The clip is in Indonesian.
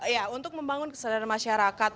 ya untuk membangun kesadaran masyarakat